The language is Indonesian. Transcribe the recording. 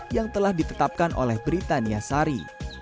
yang telah ditetapkan oleh britania sari